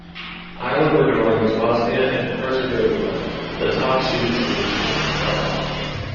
Ireland were drawn against Bosnia and Herzegovina, the top seeded team in the play-off.